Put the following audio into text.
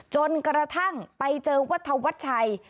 จนกระทั่งไปเจอวัฒวัชชัย